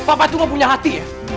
pak patunga punya hati ya